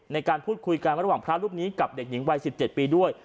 ในการพูดคุยกันระหว่างพระรูปนี้กับเด็กหญิงวัย๑๗ปีด้วย